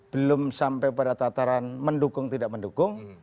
belum sampai pada tataran mendukung tidak mendukung